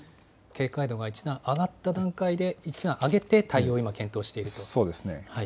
警戒度が一段上がった段階で、一段上げて対応を今、検討していそうですね。